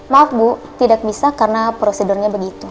maaf bu tidak bisa karena prosedurnya begitu